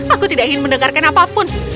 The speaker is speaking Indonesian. aku tidak ingin mendengarkan apapun